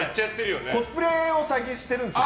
コスプレを最近してるんです。